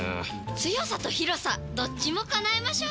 強さと広さどっちも叶えましょうよ！